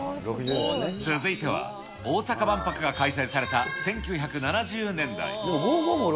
続いては、大阪万博が開催された１９７０年代。